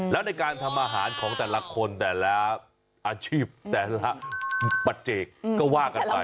แล้วในการทำอาหารของแต่ละคนแต่ละอาชีพแต่ละปัจเจกก็ว่ากันไป